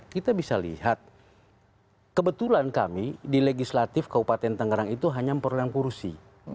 kita bisa lihat kebetulan kami di legislatif keupatan tanggerang itu hanya perlengkursi